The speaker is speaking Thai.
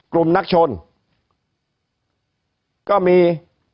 กลุ่มนักชนก็มี